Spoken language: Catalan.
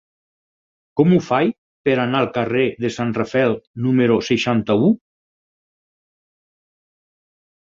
Com ho faig per anar al carrer de Sant Rafael número seixanta-u?